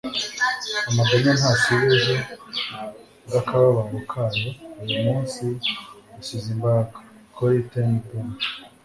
amaganya ntasiba ejo bw'akababaro kayo uyu munsi usize imbaraga - corrie ten boom